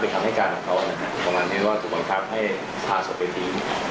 คำให้การของเขานะครับประมาณนี้ว่าถูกบังคับให้พาศพไปทิ้ง